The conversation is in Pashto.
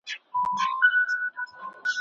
د طلاق د اصل حکم اړوند ځيني فقهاء څه نظر لري؟